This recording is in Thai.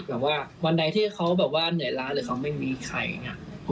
แบบว่าวันใดที่เขาแบบว่าเหนื่อยล้าหรือเขาไม่มีใครเนี่ย